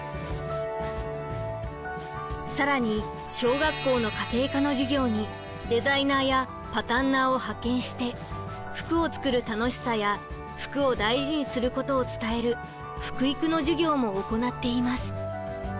更に小学校の家庭科の授業にデザイナーやパタンナーを派遣して服を作る楽しさや服を大事にすることを伝える「服育」の授業も行っています。